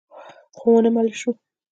خو ونه منل شوه.